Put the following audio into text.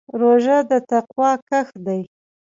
روژه د تقوا کښت دی.